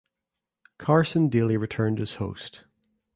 Carson Daly returned as host.